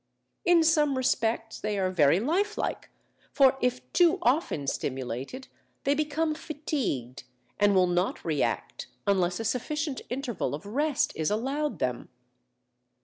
In some respects they are very lifelike, for if too often stimulated they become "fatigued," and will not react unless a sufficient interval of rest is allowed them.